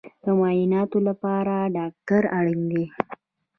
د معایناتو لپاره ډاکټر اړین دی